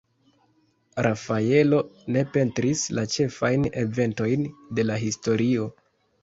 Rafaelo ne pentris la ĉefajn eventojn de la historio.